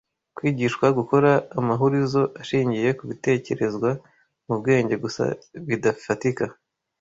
kwigishwa gukora amahurizo ashingiye ku bitekerezwa mu bwenge gusa bidafatika